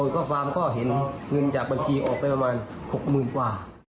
ข้อความก็เห็นเงินจากบัญชีออกไปประมาณ๖๐๐๐กว่า